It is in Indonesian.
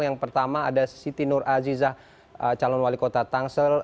yang pertama ada siti nur azizah calon wali kota tangsel